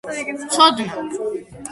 ცოდნა